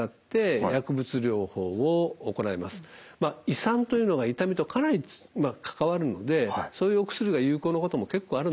胃酸というのが痛みとかなり関わるのでそういうお薬が有効なことも結構あるんですね。